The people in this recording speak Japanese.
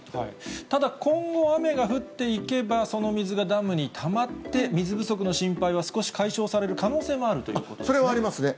ただ、今後雨が降っていけば、その水がダムにたまって、水不足の心配は少し解消される可能性もそれはありますね。